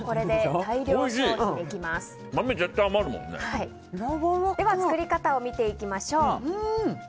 では作り方を見ていきましょう。